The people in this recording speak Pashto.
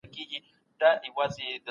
ښوونکی درس ورکوي او دا تدريس ګڼل کېږي.